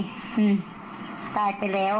อื้มตายไปแล้ว